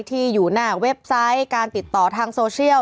ที่อยู่หน้าเว็บไซต์การติดต่อทางโซเชียล